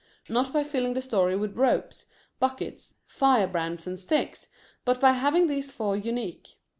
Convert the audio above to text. Not by filling the story with ropes, buckets, fire brands, and sticks, but by having these four unique.